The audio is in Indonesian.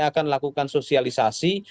akan lakukan sosialisasi